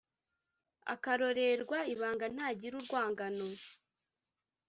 akarorerwa. ibanga ntagira urwangano